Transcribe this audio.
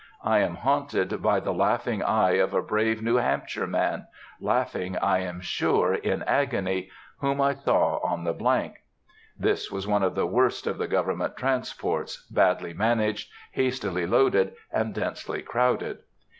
I am haunted by the laughing eye of a brave New Hampshire man,—laughing I am sure in agony,—whom I saw on the ——. [This was one of the worst of the government transports, badly managed, hastily loaded, and densely crowded.